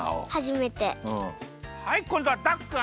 はいこんどはダクくん。